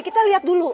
kita lihat dulu